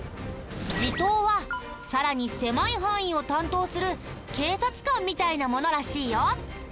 地頭はさらに狭い範囲を担当する警察官みたいなものらしいよ。